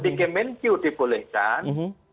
dikemin q dipulihkan